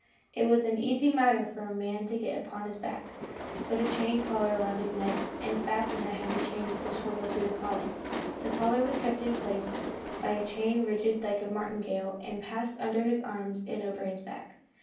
It was an easy matter for a man to get upon his back, put a chain collar around his neck, and fasten the heavy chain with a swivel to the collar. The collar was kept in place by a chain rigged like a martingale and passed under his arms and over his back.